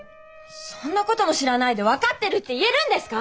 そんなことも知らないで分かってるって言えるんですか？